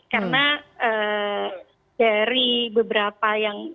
karena dari beberapa